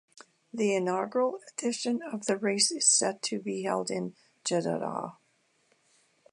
The inaugural edition of the race is set to be held in Jeddah.